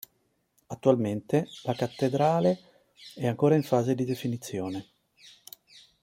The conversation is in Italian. Attualmente la cattedrale è ancora in fase di definizione.